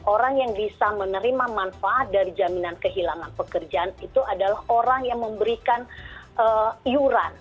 orang yang bisa menerima manfaat dari jaminan kehilangan pekerjaan itu adalah orang yang memberikan iuran